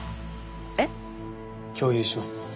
えっ？共有します。